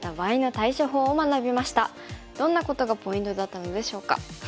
どんなことがポイントだったのでしょうか。